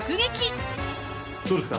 どうですか？